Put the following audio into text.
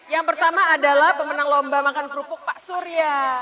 yang pertama adalah pemenang lomba makan kerupuk pak surya